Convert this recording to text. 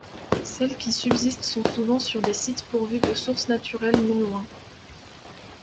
Celles qui subsistent sont souvent sur des sites pourvus de sources naturelles non loin.